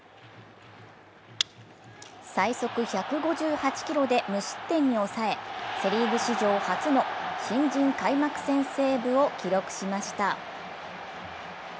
最速１５８キロで無失点に抑え、セ・リーグ史上初の新人開幕戦セーブを記録しました。